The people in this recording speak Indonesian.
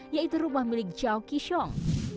yaitu rumah milik zhao qishong